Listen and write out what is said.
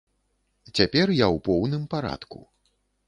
Цяпер я ў поўным парадку.